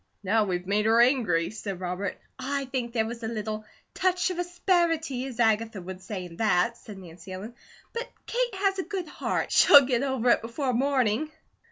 "Now we've made her angry," said Robert. "I think there WAS 'a little touch of asperity,' as Agatha would say, in that," said Nancy Ellen, "but Kate has a good heart. She'll get over it before morning."